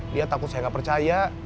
dia takut saya nggak percaya